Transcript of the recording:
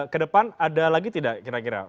kedepan ada lagi tidak kira kira